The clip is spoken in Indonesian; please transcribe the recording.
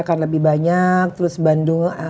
akan lebih banyak terus bandung